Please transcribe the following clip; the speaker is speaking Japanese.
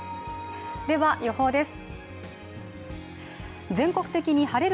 では予報です。